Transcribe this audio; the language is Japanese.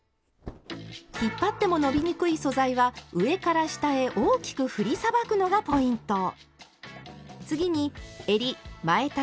引っ張っても伸びにくい素材は上から下へ大きく振りさばくのがポイント。